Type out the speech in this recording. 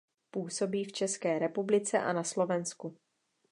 Působí v České republice a na Slovensku.